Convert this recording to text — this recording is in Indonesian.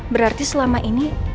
berarti selama ini